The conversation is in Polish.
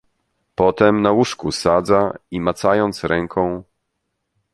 Potem na łóżku sadza i macając ręką